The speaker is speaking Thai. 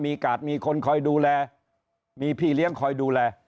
มีกาดมีคนคอยดูแลมีพี่เลี้ยงคอยดูแล